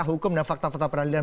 fakta hukum dan fakta fakta peralihan